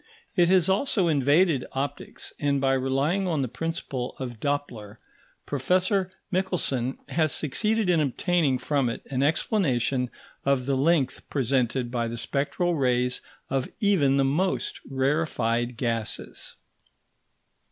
It has also invaded optics; and by relying on the principle of Doppler, Professor Michelson has succeeded in obtaining from it an explanation of the length presented by the spectral rays of even the most rarefied gases.